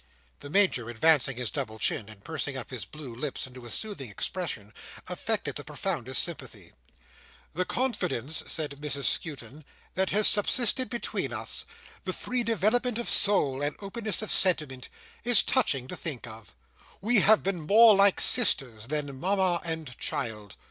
The Major advancing his double chin, and pursing up his blue lips into a soothing expression, affected the profoundest sympathy. "The confidence," said Mrs Skewton, "that has subsisted between us—the free development of soul, and openness of sentiment—is touching to think of. We have been more like sisters than Mama and child."